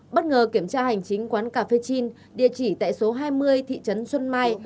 bất ngờ kiểm tra hành chính quán cà phê chin địa chỉ tại số hai mươi thị trấn xuân mai